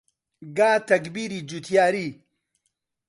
گا تەکبیری جووتیاری